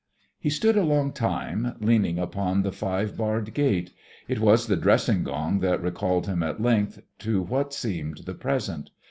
He stood a long time, leaning upon that five barred gate.... It was the dressing gong that recalled him at length to what seemed the present.